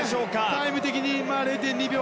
タイム的に、０．２秒。